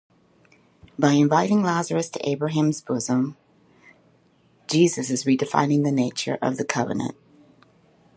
By inviting Lazarus to Abraham's bosom, Jesus is redefining the nature of the covenant.